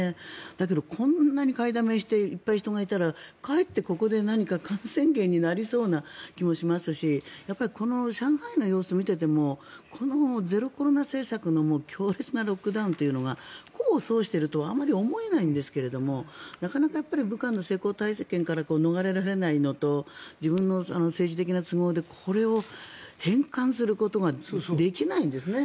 だけど、こんなに買いだめしていっぱい人がいたらかえってここで何か感染源になりそうな気がしますしやっぱりこの上海の様子を見ててもこのゼロコロナ政策の強烈なロックダウンというのが功を奏しているとはあまり思えないんですけどなかなか武漢の成功体験から逃れられないのと自分の政治的な都合でこれを変換することができないんですね。